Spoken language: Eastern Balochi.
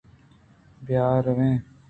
بْیا رو ایں۔